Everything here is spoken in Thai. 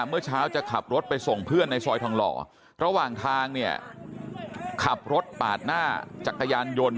เมื่อเช้าจะขับรถไปส่งเพื่อนในซอยทองหล่อระหว่างทางเนี่ยขับรถปาดหน้าจักรยานยนต์